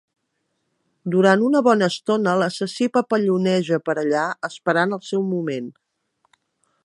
Durant una bona estona l'assassí papalloneja per allà, esperant el seu moment.